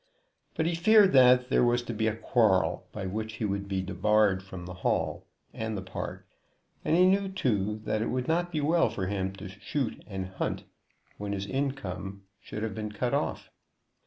But he feared that there was to be a quarrel by which he would be debarred from the Hall and the park; and he knew, too, that it would not be well for him to shoot and hunt when his income should have been cut off.